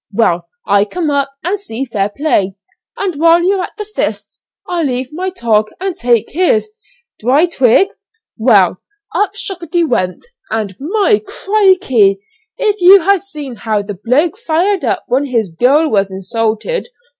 Well, I'll come up and see fair play, and while you're at the fists I'll leave my tog and take his, d'ye twig?' Well, up O'Shockady went, and, my crikey! if you had seen how the bloke fired up when his girl was insulted!